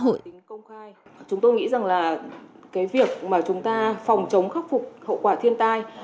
chúng tôi nghĩ rằng là cái việc mà chúng ta phòng chống khắc phục hậu quả thiên tai